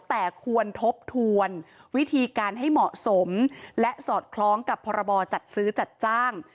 แต่ควรทบทวนวิธีการให้เหมาะสมและสอดคล้องกับพรบจัดซื้อจัดจ้าง